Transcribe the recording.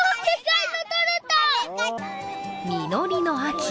実りの秋。